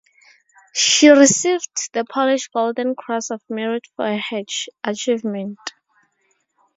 She received the Polish Golden Cross of Merit for her achievement.